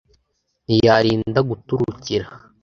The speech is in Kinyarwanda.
ntiyarinda guturukira